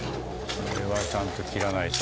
これはちゃんと切らないと。